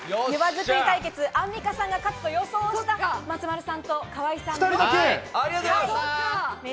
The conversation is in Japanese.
ゆば作り対決、アンミカさんが勝つと予想した松丸さんと河合さんに。